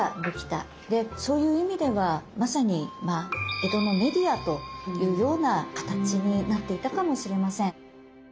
そういう意味ではまさに「江戸のメディア」というような形になっていたかもしれません。